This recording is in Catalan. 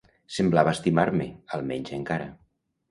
Semblava estimar-me, almenys encara.